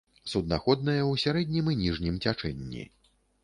Суднаходная ў сярэднім і ніжнім цячэнні.